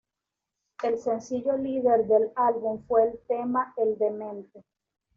El sencillo líder del álbum fue el tema "El Demente".